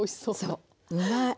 そう。